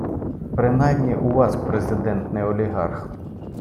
Принаймні у Вас Президент не олігарх.